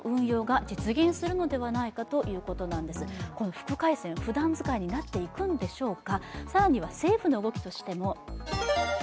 副回線、ふだん使いになっていくんでしょうか。